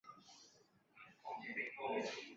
雷讷维勒人口变化图示